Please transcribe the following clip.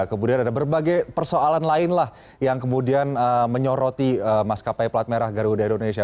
kemudian ada berbagai persoalan lain lah yang kemudian menyoroti maskapai pelat merah garuda indonesia